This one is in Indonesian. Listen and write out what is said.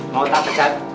mau tak pecat